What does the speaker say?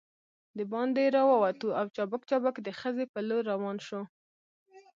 دباندې راووتو او چابک چابک د خزې په لور روان شوو.